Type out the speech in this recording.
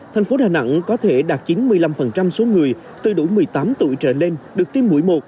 thành phố đà nẵng có thể đạt chính một mươi năm số người tuy đủ một mươi tám tuổi trở lên được tiêm mũi một